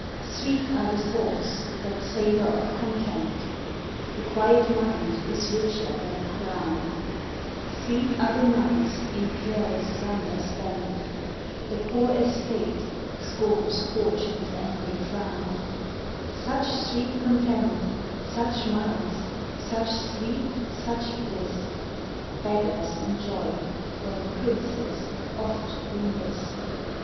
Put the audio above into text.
Sweet are the thoughts that savor of content ; The quiet mind is richer than a crown ; Sweet are the nights in careless slumber spent, — The poor estate scorns Fortune's angry frown : Such sweet content, such minds, such sleep, such bliss, Beggars enjoy, when princes oft do miss.